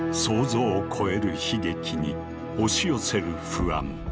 想像を超える悲劇に押し寄せる不安。